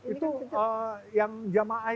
itu yang jamaah